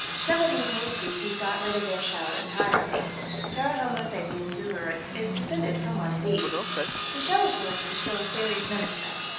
Some of these new species got rid of their shell entirely. Parahomo sapiens Ulleris is descended from one of these. "The shellosaurs were still a serious menace, though.